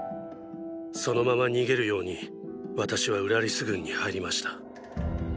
そのまま逃げるように私はウラリス軍に入りました。